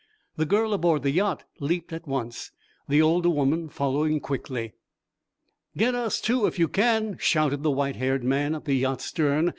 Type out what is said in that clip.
The girl aboard the yacht leaped at once, the older woman following quickly. "Get us, too, if you can," shouted the white haired man at the yacht's stern.